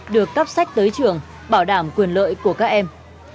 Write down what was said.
được cắp sách tới trường bảo đảm quyền lợi của các em